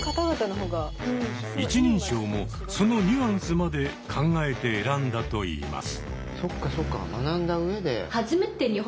一人称もそのニュアンスまで考えて選んだといいます。